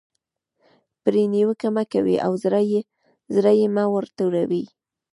پرې نیوکه مه کوئ او زړه یې مه ور توروئ.